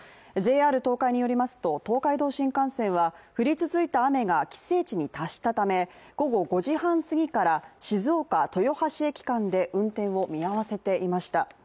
ＪＲ東海によりますと、東海道新幹線は降り続いた雨が、規定値に達したため、午後５時半すぎから静岡−豊橋駅間で運転を見合わせていました。